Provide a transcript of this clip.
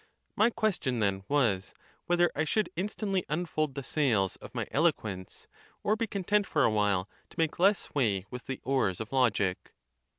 My question, then, was, whether I should instantly unfold the sails of my eloquence, or be content for a while to make less way with the oars of logic?